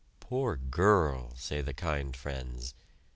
"Poor girl!" say the kind friends.